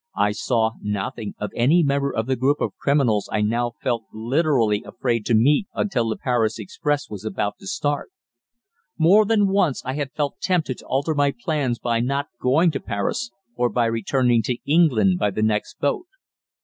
I saw nothing of any member of the group of criminals I now felt literally afraid to meet until the Paris express was about to start. More than once I had felt tempted to alter my plans by not going to Paris, or by returning to England by the next boat.